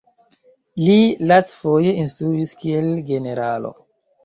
Li lastfoje instruis kiel generalo.